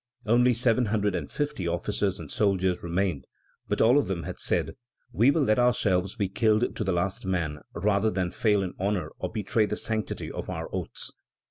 Only seven hundred and fifty, officers and soldiers, remained; but all of them had said: "We will let ourselves be killed to the last man rather than fail in honor or betray the sanctity of our oaths."